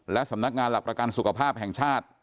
และสำนักงานหลักประกันสุขภาพแห่งชาติ